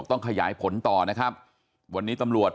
ครอบครัวญาติพี่น้องเขาก็โกรธแค้นมาทำแผนนะฮะ